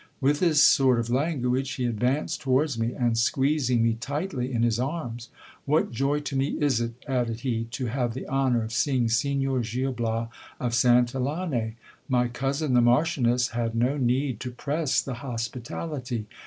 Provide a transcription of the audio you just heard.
With this sort of language, he advanced to wards me ; and squeezing me tightly in his arms : What joy to me is it, added he, to have the honour of seeing Signor Gil Bias of Santillane ! My cousin the marchioness had no need to press the hospitality.